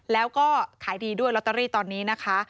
แล้วก็ขายดีด้วยลอตเตอรี่ตอนนี้นะคะ